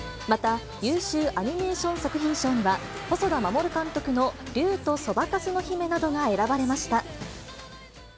また、優秀アニメーション作品賞には、細田守監督の竜とそばかすの姫などが選ばれました。